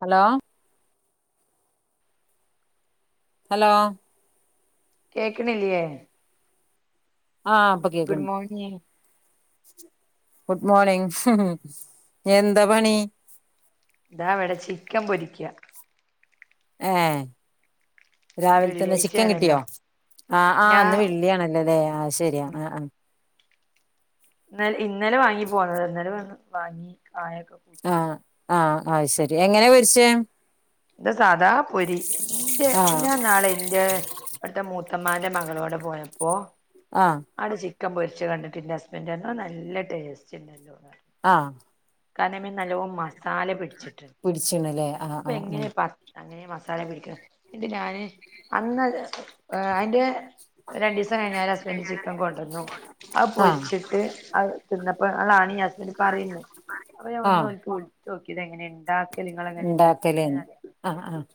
Hello hello കേക്ണില്ല്യേ? ആഹ് പ്പ ഗുഡ് കേക്ണ്ട്. Morning good morning. എന്താ പണി? ദാ വടെ ചിക്കൻ പൊരിക്ക്യ. ഏഹ്. രാവിൽ തന്നെ ചിക്കൻ വെള്ളിയാഴ്ചയാണല്ലോ കിട്ടിയോ? ആഹ് ആഹ് ഞാൻ ന്ന് വെള്ളിയാണല്ലൊ ല്ലേ ആഹ് ശരിയാ. ആഹ് ആഹ്. ഇന്നൽ ഇന്നലെ വാങ്ങി പോന്നതാ ന്നലെ വന്ന് വാങ്ങി കായൊക്ക ആഹ് ആഹ് അഹ്ശരി. എങ്ങനെ പൊരിച്ചേ? ഇത് സാദാ പൊരി. ഇന്റെ ആഹ് ഞാൻന്നാള് ഇന്റെ അട്ത്തെ മൂത്തമ്മാന്റെ മകളോടെ പോയപ്പോ ആഹ് അടെ ചിക്കൻ പൊര്ച്ചത് കണ്ടിട്ട് ഇന്റെ ഹസ്ബന്റർഞ്ഞു അത് നല്ല ടേസ്റ്റ് ണ്ടല്ലോ ന്നർഞ്ഞ്. ആഹ് കാരണം അയ്മേ നല്ലോം മസാല പിടിച്ചിട്ട്ണ്ട്. പിടിച്ച്ണ്ല്ലേ ആഹ് അപ്പ ആഹ് ആഹ് എങ്ങനേ പ്പാ അങ്ങനേ മസാല പിടിക്ണ്, ന്നിട്ട് ഞാന് അന്നത് ഏഹ് അയിന്റെ, രണ്ടീസം കഴിഞാരെ ഹസ്ബൻഡ് ചിക്കൻ കൊണ്ടന്നു. അത് ആഹ് പൊരിച്ചിട്ട് അത് തിന്നപ്പൊ ളാണ് ഈ ഹസ്ബൻഡ് പറയുന്നത്, അപ്പം ഞാൻ ആഹ് ഒന്നോല്ക്ക് വിൾച്ചു നോക്കി. ഇതെങ്ങനെ ഇണ്ടാക്കല് ഇങ്ങള് എങ്ങനെ ഇണ്ടാക്കീനെ ഇണ്ടാക്കലേന്ന് അറിയാന്. ആഹ് ആഹ്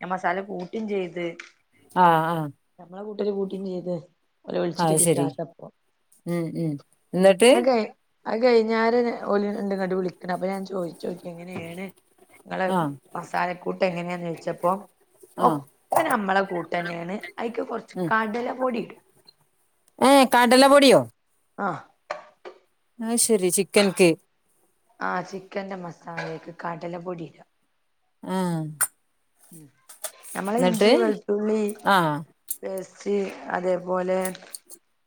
ഞാൻ മസാല കൂട്ടിം ചെയ്ത്. ആഹ് ആഹ്. നമ്മളെ കൂട്ടര് കൂട്ടു ചെയ്തത്, ഓള വിളിച്ചിട്ട് അത് ശരി കിട്ടാത്തപ്പോ ഉം ഉം എന്നിട്ട് അത്കഴ് അത് കഴിഞ്ഞര ഓലിണ്ട്ങ്‌ട്ട് വിളിക്കണ അപ്പൊ ഞാൻ ചോയ്ച്ചോക്കി എങ്ങനെയാണ്, നിങ്ങളെ ആഹ് മസാലക്കൂട്ട് എങ്ങനെയാന്ന് ചോദിച്ചപ്പോ, ആഹ് ഒക്കെ നമ്മളെ കൂട്ട തന്നെയാണ് അയ്ക്ക് കൊറച്ച് ഉം കടല പൊടി ഇടും, ഏഹ് കടല പൊടിയോ? ആഹ്, ആഹ് ശെരി ചിക്കൻ കേ ആഹ് ചിക്കന്റെ മസാലേക്ക് കടല പൊടിയിടും ആഹ്,. നമ്മള് എന്നിട്ട് ഇഞ്ചി, വെളുത്തുള്ളി, ആഹ് പേസ്റ്റ് അതേപോലെ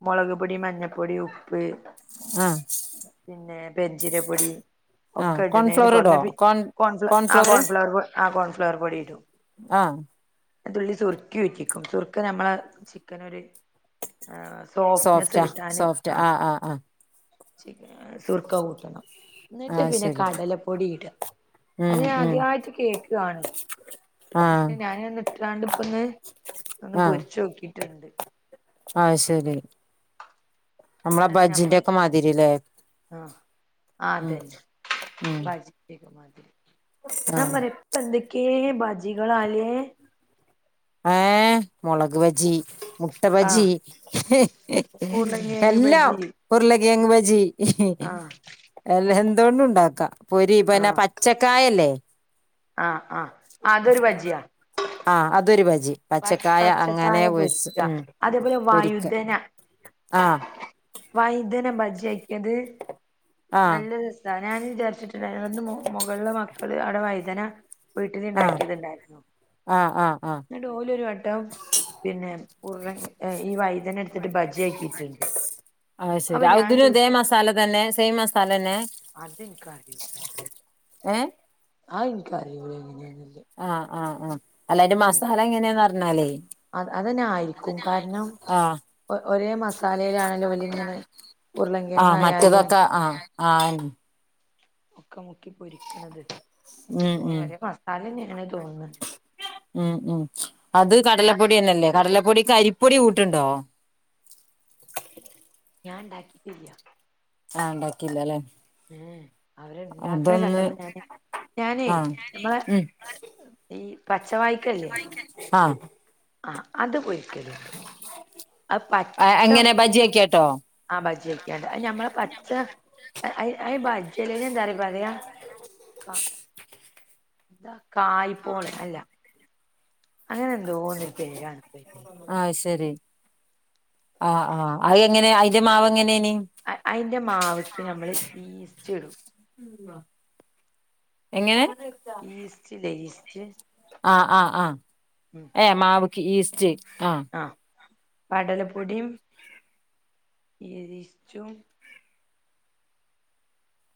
മുളക്, പൊടി മഞ്ഞപ്പൊടി, ഉപ്പ്, ആഹ്, പിന്നെ പെരുംഞ്ചീര പൊടി ആഹ് ഒക്കെ ഇടണന് കോൺഫ്ലോർ ഇടോ പുറമെ കോൺ കോൺഫ്ല ആ കോൺഫ്ലോർ കോൺഫ്ലവർ, പൊടി ആഹ് കോൺ ഫ്ലവർ പൊടിടും ആഹ്, തുള്ളി സുറുക്കെ ഉറ്റിക്കും സുറുക്ക നമ്മള ചിക്കനൊരു, സോഫ്റ്റാ സോഫ്റ്റ്നെസ്സ് കിട്ടാന് സോഫ്റ്റ് ആഹ്, ആഹ് സുർക്ക കൂട്ടണം എന്നിട്ട് ആഹ് പിന്നെ ശരി കടലപ്പൊടി ഇട, അത് ഉം ഞാൻ ഉം ആദ്യായിട്ട് കേക്കാണ് ആഹ് പക്ഷെ ഞാനന്ന് ണ്ടിപ്പന്ന് ഒന്ന് ആഹ് പൊരിച്ചു നോക്കിട്ടുണ്ട്, ആഹ് ശെരി നമ്മളെ ബജിന്റെ ഒക്കെ മാതിരില്ലേ, ആഹ് ഉം അതന്നെ ഉം ബജിന്റെക്കെ മാതിരി, ആഹ് നമ്മളിപ്പ പ്പന്തക്കെ ബജികളാലേ? ഏഹ് മുളക് ബജി, മുട്ട ആ ബജി ഉരുളൻ കിഴങ്ങ് എല്ലാം ബജി ഉരുള കേഴങ്ങ് ബജി, ആ എല്ല എന്തോണ്ടും ണ്ടാക്ക പൊരിപ്പി ന്നെ പച്ചക്കായല്ലേ, ആഹ് ആഹ് അതൊരു ബജ്ജിയാ, ആഹ് അതൊര് ബജി, പച്ചക്കായ പച്ചക്കായ അങ്ങനെ വൊർച് പൊരിക്ക ഉ അതേപോലെ പൊരിക്ക, ആഹ്, വൈതനം ബജിയാക്കിയത് ആഹ് നല്ലൊരു, അത ഞാൻ വിചാരിച്ചിട്ടുണ്ട്ന്ന് മുകളില് മക്കള് അവിടെ വഴുതന വീട്ടിൽ ആഹ് ഉണ്ടാക്കിയത്ണ്ടായിരുന്നു, ആഹ് ആഹ് ആഹ്, ന്ന്ട്ടോല് ഒരു വട്ടം പിന്നെ ഉരുള ഈ വൈദ്യന ട്ട്ട്ട് ബജി ആക്കിട്ട്ണ്ട്, അത് ശെരി അതിന് തേ മസാല തന്നെ സെയിം മസാല തന്നെ, അതെനിക്കറിയൂ ഏഹ്? അത് എൻകറിയൂല എങ്ങനാന്ന്ള്ളെ, ആഹ് ആഹ് ആഹ്, അല്ല അയ്‌ന്റെ മസാല എങ്ങനാന്നർഞ്ഞാലേ, അത് അതന്നെ ആയിരിക്കും, കാരണം, ആഹ് ഒ ഒരേ മസാലേലാണല്ലോ ഓല്ങ്ങനെ ഉരുളങ്കെങ്ങ മറ്റേതൊക്ക ആഹ്, ആയ് മുക്കി മുക്കി പൊരിക്കണത് എൻക്ക് ഉം തോന്നു ഉം ഒരേ മസാലന്നേണ് തോന്ന്ണ് ഉം ഉം അത് കടലപ്പൊടിന്നല്ലേ കടലപ്പൊടിക്ക് അരിപ്പൊടി കൂട്ടുണ്ടോ ഞാൻ ണ്ടാക്കിട്ടില്ല ആ ണ്ടാക്കിയില്ല ലേ ഏഎ അവര് ണ്ടാക്ക്ണ് കണ്ടപ്പോ ഞാന് ഞാനേ ആഹ് ഞമ്മളെ ഈ പച്ചവായ് പച്ച വായ്ക്ക ല്ല്യേ ആ ആഹ് അത് പൊരിക്കല്ണ്ട് ആ പച്ച എങ്ങനെ ബജിയാക്കിയാട്ടോ ആ ബജ്ജിയൊക്കെയണ്ട് അ ഞമ്മള പച്ച അ ബജ്ജിയലെ എന്താറ പറയാ കാ എന്താ കായ് പോളെ അല്ല അങ്ങനെ എന്തോന്നൊരു പേരാണ്പ്പെയ്ന് അഹ് ശരി ആ ആ അഹെങ്ങനെ അയ്ന്റെ മാവെങ്ങനെണ് അ അയ്ന്റെ മാവ്ക്ക് ഞമ്മള് ഈസ്റ്റ്ടും എങ്ങനെ ഈസ്റ്റ് ലേ ഈസ്റ്റ് ആഹ് ആഹ് ആഹ് ഉം ഏഹ് മാവ്ക്ക് ഈസ്റ്റെയ് ആഹ് ആ കടലപ്പൊടിം ഈസ്‌റ്റും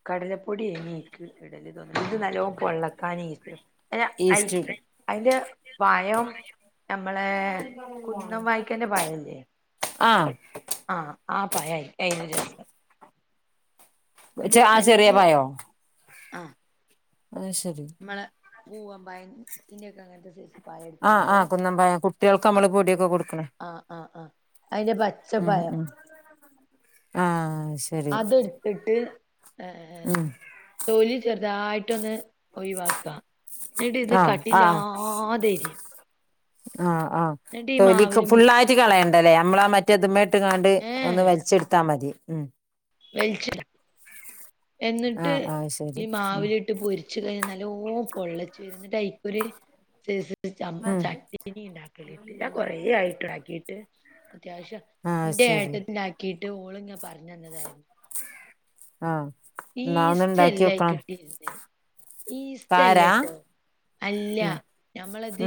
കടലപ്പൊടി എയ്നി അയ്ക്ക് ഇടല് തോന്ന്ണ് ഇത് നല്ലോം പൊള്ളക്കാന് ഈസ്‌റ്റ്ടും ന്റെ അയ് ഈസ്റ്റ് ഐന്റെ പഴം നമ്മളെ കുന്നം വായിക്കന്റെ പഴല്ലേ ആഹ് ആഹ് ആപഴയ് അയിന് രസം ന്ന്ട്ട് ആഹ് ചെറിയ നല്ല പഴോ ആ അത് ശരി മ്മളെ പൂവമ്പഴത്തിന്റെക്കെ അങ്ങൻത്തെ സെയ്സ്‌ ആ ആ കുന്നം പയം കുട്ടിൾക്ക് മ്മള് പൊടിക്കെ കൊടുക്കണേ ആഹ് ആഹ് അയ്ന്റെ പച്ച ഉം പയം ഉം ആഹ് അയ് ശെരി അത്ട് ത്തിട്ട് എ എ ഏ ഉം തൊലി ചെറുതായ്ട്ടൊന്ന് ഒഴിവാക്ക ന്നിട്ട് ത് ആഹ് കട്ടില്ലാ ആഹ് ല്ലാതെ എരിയ ആഹ് ആഹ് തൊലിക്ക് മാവില് മു ഫുള്ളായിട്ട് കളയണ്ടല്ലേ നമ്മളാ മറ്റേത് മ്മേ ട്ട്ങ്ങാണ്ട് ഒന്ന് വൽച്ചെട്ത്താ മതി ഉം വെൽച്ച്ട്ട്ടാ എന്നിട്ട് ആഹ് ആഹ് ഈ ശരി മാവിലിട്ട് പൊരിച്ച് കഴിഞ് നല്ലോം പൊള്ളച്ച് വരും ന്നിട്ട്അയ് ഒരു സെയ്‌സ് ചമ്മ് ഉം ചട്ടീനി ണ്ടാക്കല്ണ്ട് ഞാൻ കൊറെ ആയിട്ട്ണ്ടാക്കിട്ട് ട്ട് അത്യാവശ്യം ആഹ് ന്റെ ശരി ഏട്ടത്തിണ്ടാക്കിട്ട് ഓള് ങ്ങ പറർഞ്ഞന്നതായിരുന്നു ആഹ് എന്നാ ഒന്ന് ഇണ്ടാക്കി ഈസ്റ്റല്ല വെക്കണം അയ്ക്ക്ട്ടിര്ന്ന് കാരാ ഈസ്റ്റല്ലട്ടോ അല്ല ഉം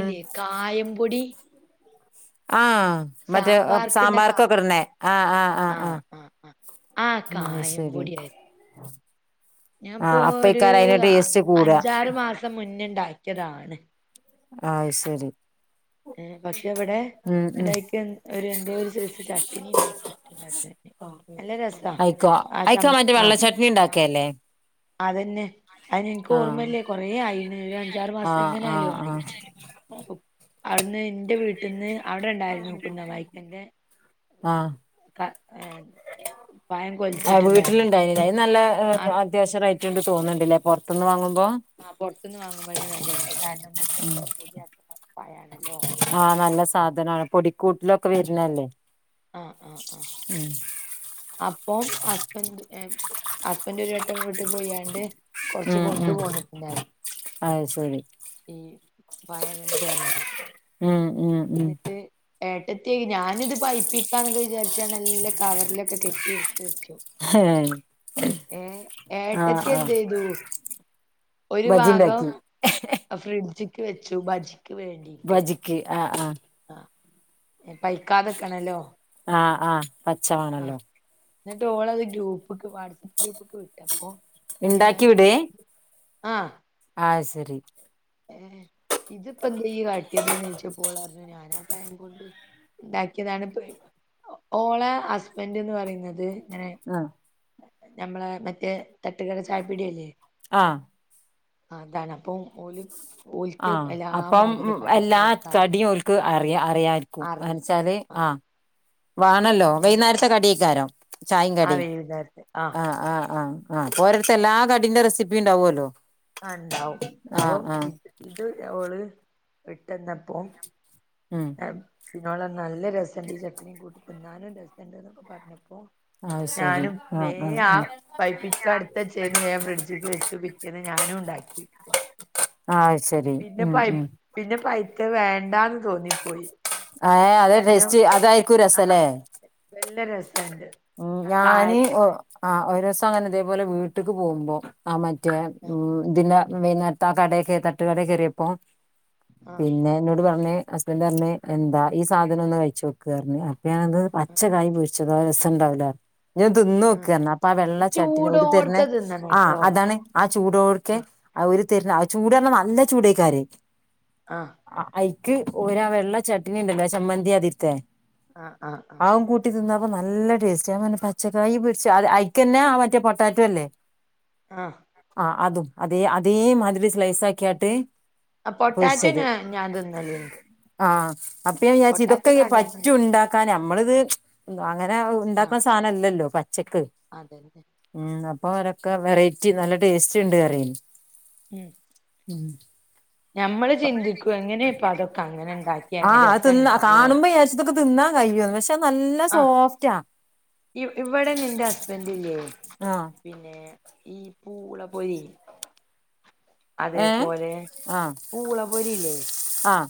ഉം കായംപൊടി ആ മറ്റേ സാമ്പാർക്ക് ഇട്ണ കാ സാമ്പാർക്കൊക്കട്ണെ ആഹ് ആഹ് ആഹ് ആഹ് ആഹ് അഹ് കായം ശരി പൊടിയായിരുന്നു ഞാൻപ്പോ ആഹ് അപ്പയ്ക്കാര അയ്ന് ടേസ്റ്റ് കൂട മുന്നെണ്ടാക്കിയതാണ് ആഹ് ശരി പക്ഷെ വിടെ ഉം ഉം അയ്യ്ക്ക് എ ഒരു എന്തോ ഒരു സെയ്‌സ് ചട്ടിനി ണ്ടാക്കിട്ട്ണ്ടാര്ന്നു അയ്ക്കോ അയ്ക്ക ചമ്മ മറ്റേ വെള്ള ആഹ് ചാട്ട് ചട്നി ണ്ടാക്കിയല്ലേ അതന്നെ അതിന് എനിക്ക് ആഹ് ഓർമ്മല്ലേ കൊറെ ആയിന് ഒരു അഞ്ചാറ് മാസം ആഹ് എങ്ങനെയാലും ആഹ് ആയി ആഹ് അവിടുന്ന് എന്റെ വീട്ടിൽന്ന് അവിടെ ഉണ്ടായിരുന്നു കുന്ന വൈക്കൻ്റെ ആഹ് ക ഏ പഴം ആഹ് കൊലിച്ചിട്ടുണ്ടായിരുന്നു വീട്ടിലുണ്ടായിനിലെ അത് നല്ല ആ അത്യാവശ്യം റേറ്റ് തോന്നുന്നുണ്ടില്ലേ പുറത്തുന്ന് വാങ്ങുമ്പോ ആ പൊറത്ത്നിന്ന് വാങ്ങുമ്പോൾ അതിന് വിലയുണ്ട് കാരണം മക്കൾക്കൊക്കെ പൊടി ആകുന്ന പഴണല്ലോ ആഹ് നല്ല സാധനമാണ് പൊടിക്കൂട്ടിലൊക്കെ വരണല്ലേ ആഹ് ആഹ് ആഹ് ഉ അപ്പം ഹസ്ബൻ്റ് ഹസ്ബൻ്റ് ഒരു വട്ടം വിട്ട് പോയാണ്ട് കൊറച്ച് കൊണ്ടു പോന്ന പിന്നായി സരി ഈ പഴ ഇടണ്ട് അങ്ങനെ ഉം ഉം ഉം ന്ന് ട്ട് ഏട്ടത്തിക്ക് ഞാനിത് പൈപ്പിക്കാ എന്നൊക്കെ വിചാരിച്ചാണ് നല്ല കവറിലൊക്കെ കെട്ടി എടുത്ത് വച്ചു ഏഹ് ഏ ഏട്ടത്തി എന്ത് ചെയ്തു ഒരു ഭാഗം ബജിണ്ടാക്കി ഫ്രിഡ്ജിക്ക് വെച്ചു ബജിക്ക് വേണ്ടി ഭജിക്ക് ആ ആഹ് ആ പൈക്കാതക്കണല്ലോ ആഹ് ആഹ് പച്ചവാണല്ലോ ആഹ് എന്നിട്ട് ഓളത് ഗ്രൂപ്പ് വാട്സആപ്പ് ഗ്രൂപ്പ് വിട്ട അപ്പൊ ഞാൻ ഇണ്ടാക്കി വിടേ ആ ആഹ് ശരി ഏ ഇതിപ്പോ എന്താ ഈ കാട്ടിയത് ന്ന് ചോദിച്ചപ്പോൾ ഓൾ പറഞ്ഞ് ഞാനാ പഴ ഉണ്ടാക്കിയതാണ് ഓള ഹസ്ബൻ്റ് എന്ന് പറയുന്നത് അങ്ങനെ ആഹ് ഞമ്മളെ മറ്റേ തട്ടുകടെ ചായപിടിയല്ലേ ആ അതാണ് അപ്പം ഓൽ ആ അപ്പം എല്ലാ കടികളും ഓൽക്കറിയാ കടിയും ഓൽക്ക് അറിയ അറിയാരിക്കൂ ന്ന് അറിയാം വെച്ചാല് ആ ആഹ് വാണല്ലോ ഏ വൈകുന്നേരത്തെ കടിയക്കാരം ചായയും ആ കടിയും വൈകുന്നേരത്ത് ആ ആ ആഹ് ആ ഒരേട്ത്ത് എല്ലാ കടിന്റെറെസിപ്പി ഉണ്ടാവുമല്ലോ ആ ഉണ്ടാവും അപ്പം ഇത് ഇത് അവൾ വിട്ടന്നപ്പോം ഉം പിന്നോള നല്ല രസുണ്ട് ഈ ചട്ടിനിയും കൂട്ടി തിന്നാനും രസംണ്ട് എന്നൊക്കെ പറഞ്ഞപോ അഹ് ശരി ഞാനും വേ ആഹ് ആഹ് ആ പൈപ്പിക്ക എടുത്തു വെച്ച് ഫ്രിഡ്ജിട്ട് വെച്ചു പിറ്റേന്ന് ഞാനും ഉണ്ടാക്കി ആഹ് ശരി പിന്നെ ഉം പൈ പിന്നെ പൈത്ത വേണ്ടാ ഏ അതെ ടേസ്റ്റ് അതായിക്കൂ ആ രസല്ലേ നല്ല രസം ഉം ഞാന് ഒ ആ ഒരു ദിവസം അങ്ങനെ ഇതേപോലെ വീട്ടക്ക് പോകുമ്പോ ആ മറ്റേ ആഹ് ഇതിന്റെ വെയ്ന്ന ആ കടെകേ തട്ടുകട കേറിയപ്പോ ആഹ് പിന്നെ എന്നോട് പറഞ്ഞ് ഹസ്ബൻഡറ് പറഞ് എന്താ ഈ സാധനം ഒന്ന് കഴിച്ച് നോക്ക് പറഞ് അപ്പ ഞാൻ അത് ആഹ് പച്ചക്കായി പൊരിച്ചു ച്ചക്കായി രസുണ്ടാവുലെ? ഞാൻ തിന്ന് ആഹ് നോക്ക്ന്ന് അറഞ് അപ്പൊ ആ വെള്ള ചട്ടിന് ഓരു തെര്നെ ചൂടോട്ക്കെ തിന്നണം ആഹ് ട്ടോ അതാണ് ആ ചൂടോട്ക്കെ ആഹ് ആ ഒരു തെര്ന ആ ചൂട് അറഞ്ഞാ നല്ല ചൂടൊക്കാരെ ആഹ്. അ ഐക്ക് ഓരാ വെള്ള ചട്നി ഉണ്ടല്ലോ ചമ്മന്തി അതിര്ത്തെ ആഹ് ആഹ് ആ ആഹ് ഉം കൂട് ട്ടി തിന്നപ്പ നല്ല ടേസ്റ്റ് ഞാൻ പറഞ് പച്ചക്കായി പിടച്ച് അ ഐക്കന്നെ ആ മറ്റേ പൊട്ടാറ്റോ അല്ലേ ആഹ്. ആഹ് അതും അതേ അതേ മാതിരി സ്ലൈസ് ആക്കിയാട്ട് ആഹ് പൊട്ടാറ്റോന ഞാൻ തിന്നലുണ്ട്. ആഹ് അപ്പ ഞാൻ വിചാരിച്ചു ഇതൊക്കെ കടേന്ന് പറ്റും ഇണ്ടാക്കാൻ നമ്മളിത് അങ്ങനെ ആഹ് ഉണ്ടാക്കുന്ന സ സാനല്ലല്ലോ പച്ചക്ക്. അതന്നെ. ഉം അപ്പൊ അവരൊക്കെ വെറൈറ്റി നല്ല ടേസ്റ്റ്ണ്ട് അറെയെനി ഉം. ഉം. ഞമ്മള് ചിന്തിക്കും എങ്ങനെപ്പ അതൊക്കെ അങ്ങനെ ഇണ്ട ആഹ് അ തിന്ന കാണുമ്പോ വിയാര്ച്ചും ഇതൊക്കെ തിന്നാൻ കഴിയൊന്ന് പക്ഷെ നല്ല ആ സോഫ്റ്റാ ഇ ഇവിടെ നിന്റെ ഹസ്ബൻഡില്ലേ? ആ പിന്നെ ഈ പൂള പൊരി അതേ ഏ പോലെ പൂള പൊരിയില്ലേ? ആഹ്.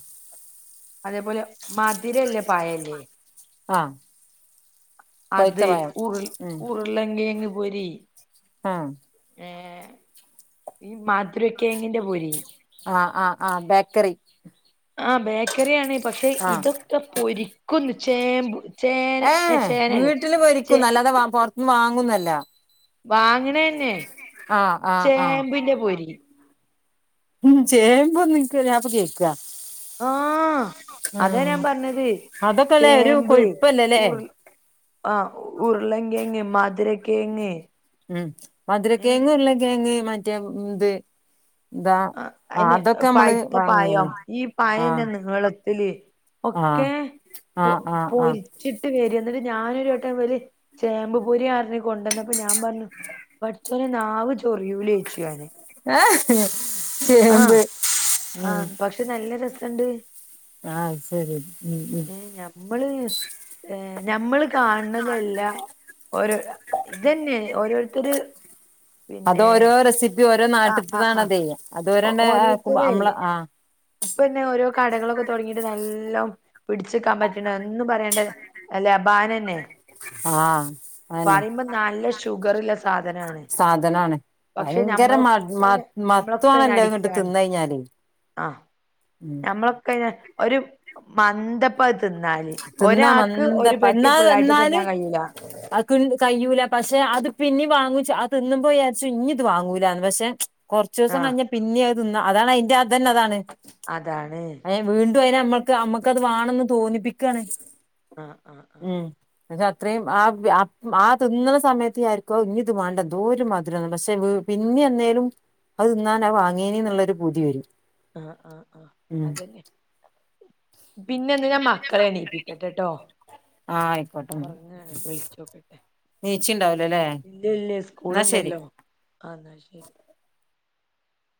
അതേ പോലെ മധുരല്ലേ പഴയില്ലേ? ആഹ്. അത് ഉർൾ ഉരുളെങ്കെങ്ങ് പൊരി ആഹ്. ഏഹ് ഈ മധരക്കേങ്ങിന്റെ പൊരി. ആഹ് ആഹ് ആഹ് ബേക്കറി. ആഹ് ബേക്കറി ആണ് പക്ഷെ ആഹ് ഇതൊക്കെ പൊരിക്കുംന്ന് ചേമ്പ് ചേന ഏഹ് ചേനല്ല വീട്ടിൽ പൊരിക്കു ചേ അല്ലാതെ പൊറത്തന്ന് വാങ്ങുന്നല്ല. വാങ്ങ്ണെന്നെ ആഹ് ആഹ് ആഹ് ചേമ്പിന്റെ പൊരി. ഉം ചേമ്പോന്ന് ഇൻക്ക് ഞാനിപ്പോ കേക്ക. ആഹ് അതാ ഞാൻ പറഞ്ഞത് അതൊക്കെല്ലേ ഒരു ചേമ്പ് കൊഴുപ്പല്ലല്ലേ ഉർ ആഹ് ഉരുളങ്കെങ്ങ്, മധുരക്കെങ്ങ്. ഉം മധുരക്കേങ്ങ്, ഉരുളക്കെഴങ്ങ് മറ്റേ ഇത് എന്താ ആഹ് അയ്ന് അതൊക്കെ നമ്മള് പഴ്‌ത്ത വാങ്ങീണ് പയം ഈ പയന്നെ ആഹ് നീളത്തില് ആഹ് ഒക്കേ ആഹ് ആഹ്. ആഹ് പൊരിച്ചിട്ട് വെര ന്നിട്ട് ഞാനൊരു വട്ടം ഇവല് ചേമ്പ് പൊരിയ അറിഞ് കൊണ്ടുവന്നപ്പോ ഞാൻ പറഞ്ഞു പടച്ചോനെ നാവ് ചൊറിയൂലോയ്ച്ചു ഞാന്. ഏഹ് ഹ്. ആഹ് ആഹ് പക്ഷെ നല്ല രസിണ്ട്. ആഹ് ശരി മ് ഏഹ് ഞമ്മള് ഏ ഞമ്മൾ കാണ് ണതല്ല ഒരോ ഇതന്നെ ഓരോരുത്തര് പിന്നെ അതോരോ റെസിപ്പി ഓരോ ആഹ് ആഹ് നാട്ട്ത്തതാണ് ആഹ് അത്. അതോരന്നെ അയക്കുമ്പ ഓരോരുത്തരെ നമ്മള് ആഹ് ഇപ്പന്നെ ഓരോ കടകളൊക്കെ തുടങ്ങിയിട്ട് നല്ലോം പിടിച്ച്ക്കാൻ പറ്റ്ണ എന്നും പറ ല്ലെ, ലബാനെന്നെ ആഹ് അതന്നെ പറയുമ്പം നല്ല ഷുഗറ്ള്ള സാധനാണ്. സാധനാണ് പക്ഷെ ഭയങ്കര മ നമ്മളൊക്കെ മ അയിന് ഞമ്മളൊക്കെ അയിന് മത്വാണല്ലോ ഇങ്ങട്ട് അടിക്ടാണ് തിന്ന് കഴിഞ്ഞാല് ആഹ്. ഉം നമ്മളൊക്ക അയിന് ഒരു മന്ദപ്പ അത് തിന്നാല് തിന്നാ ഒരാൾക്ക് മന്ത ഒരു പെട്ടി ഫുള്ളായിട്ട് തിന്നാൻ കഴിയൂല. [unintelligible] കഴിയൂല പക്ഷെ അത് പിന്നെ വാങ്ങിച്ച് അത് തിന്നുമ്പോ വിചാരിച്ചു ഇനി ഇത് വാങ്ങൂലാന്ന് പക്ഷെ, കുറച്ചൂസം ആഹ് കഴിഞ്ഞ പിന്നെ അഹ് തിന്ന് അതാണ് അയ്ന്റെ അതന്നെ അതാണ്. അതാണ് വീണ്ടും അയിനെ നമ്മക്ക് നമ്മക്കത് വേണം എന്ന് തോന്നിപ്പിക്കാണ്. ആഹ് ആഹ് ആഹ് നിങ്ങക്ക് അത്രയും [unintelligible] ആ തിന്ന്ണ സമയത്ത് ഞാൻ വിചാരിക്കും ഇഞ്ഞ് ഇത് വേണ്ട എന്തോര് മധുരം പക്ഷെ വീ പിന്നെ എന്നേലും അത് തിന്നാൻ അഹ് വാങ്ങേനി എന്നുള്ളൊരു പൂതി വരും. ആഹ്, ആഹ്, ആഹ് ഉം അതന്നെ. പിന്നെ എന്ത്, ഞാൻ മക്കളെ എണീപ്പിക്കട്ടെട്ടോ, ആഹ്, അയിക്കോട്ടെ ഇന്നാ ച്ചോക്കട്ടെ, നീച്ച്ണ്ടാവിലലേ? ഇല്ല, ഇല്ല സ്കൂള്ണ്ടല്ലോ ആ ഇന്നാ ശരി.